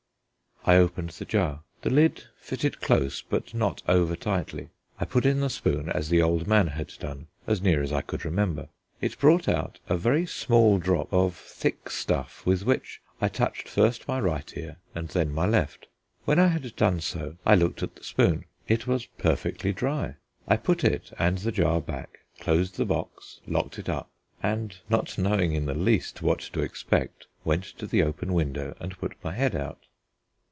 I opened the jar. The lid fitted close but not over tightly. I put in the spoon as the old man had done, as near as I could remember. It brought out a very small drop of thick stuff with which I touched first my right ear and then my left. When I had done so I looked at the spoon. It was perfectly dry. I put it and the jar back, closed the box, locked it up, and, not knowing in the least what to expect, went to the open window and put my head out.